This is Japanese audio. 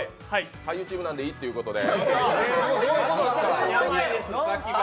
俳優チームなんでいいっていうことで。